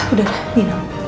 udah lah nina